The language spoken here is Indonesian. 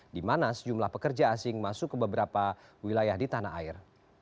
di mana sejumlah pekerja asing masuk ke beberapa wilayah di tanah air